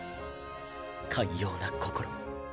寛容な心。